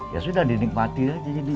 ya sudah dinikmati aja